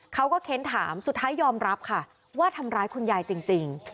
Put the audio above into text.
เค้นถามสุดท้ายยอมรับค่ะว่าทำร้ายคุณยายจริง